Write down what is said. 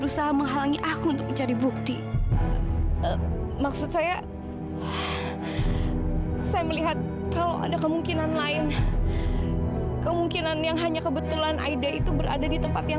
sampai jumpa di video selanjutnya